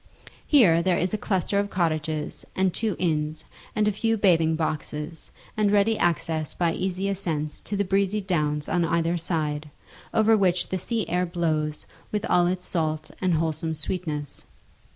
Here there is a cluster of cottages and two inns, and a few bathing boxes, and ready access by easy ascents to the breezy downs on either side, over which the sea air blows with all its salt and wholesome sweetness.